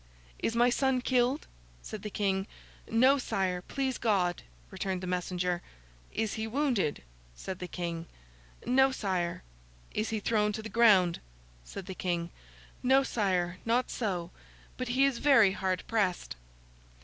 'Is my son killed?' said the King. 'No, sire, please God,' returned the messenger. 'Is he wounded?' said the King. 'No, sire.' 'Is he thrown to the ground?' said the King. 'No, sire, not so; but, he is very hard pressed.